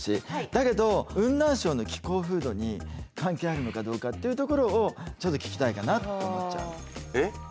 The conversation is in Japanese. だけど雲南省の気候風土に関係あるのかどうかっていうところをちょっと聞きたいかなと思っちゃう。